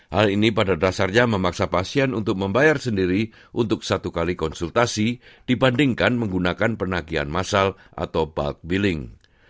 hal ini pada dasarnya memaksa pasien untuk membayar sendiri untuk satu kali konsultasi dibandingkan menggunakan penagian masal atau bald billing